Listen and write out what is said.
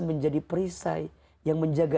menjadi perisai yang menjaga